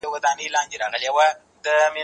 د کتابتون د کار مرسته وکړه،